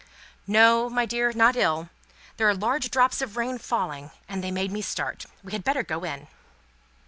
"No, my dear, not ill. There are large drops of rain falling, and they made me start. We had better go in."